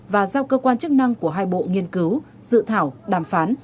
và giao cơ quan chức năng của hai bộ nghiên cứu dự thảo đàm phán